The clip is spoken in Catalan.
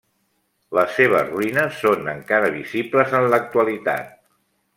Les seves ruïnes són encara visibles en l'actualitat.